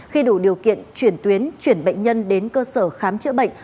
khi đủ điều kiện chuyển tuyến chuyển bệnh nhân đến cơ sở khám chữa bệnh